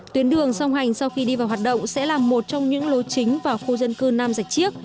tuyến đường song hành sau khi đi vào hoạt động sẽ là một trong những lối chính vào khu dân cư nam giải chiếc